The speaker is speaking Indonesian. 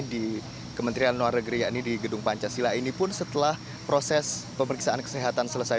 di kementerian luar negeri yakni di gedung pancasila ini pun setelah proses pemeriksaan kesehatan selesai